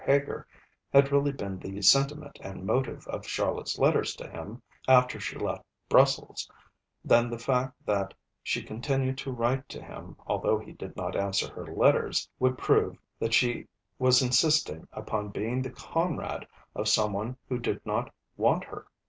Heger had really been the sentiment and motive of Charlotte's letters to him, after she left Bruxelles, then the fact that she continued to write to him although he did not answer her letters would prove that she was insisting upon being the 'comrade' of some one who did not want her.